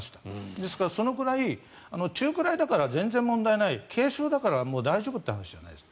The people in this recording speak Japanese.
ですから、そのくらい中くらいだから全然問題ない軽症だから大丈夫って話じゃないです。